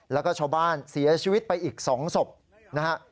แล้วก็ชาวบ้านเสียชีวิตไปอีก๒ศพนะฮะ